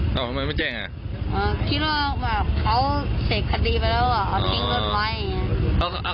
อ๋อแล้วยังไงต่อแม่ถึงเจอรถป้ำ